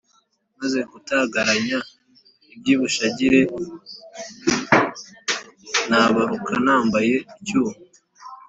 Maze gutagaranya iby’i Bushagire, ntabaruka nambaye icyuma